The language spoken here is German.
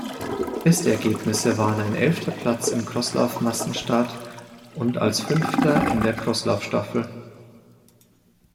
Beste Ergebnisse waren ein elfter Platz im Crosslauf-Massenstart und als Fünfter in der Crosslauf-Staffel.